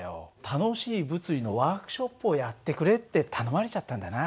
楽しい物理のワークショップをやってくれって頼まれちゃったんだな。